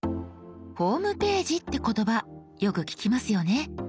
「ホームページ」って言葉よく聞きますよね。